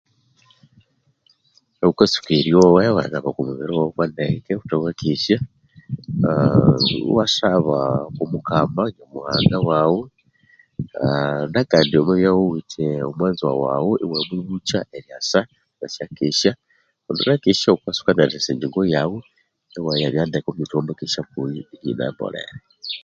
Ghukatsuka eryogha iwanaba oko mubiri waghu kwandeke ghuthe wakesya ah iwasaba oku Nyamuhanga waghu ah nakandi wamabya ghuwithe omwanze wawu iwamubukya eryasa akasakesya kundi nakesya ghukatsuka erisesa engyingo yaghu imuyabya ndeke kundi iwamakesya kuyu iyinatholere